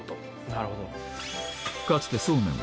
なるほど。